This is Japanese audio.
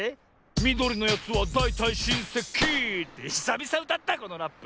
みどりのやつはだいたいしんせきひさびさうたったこのラップ。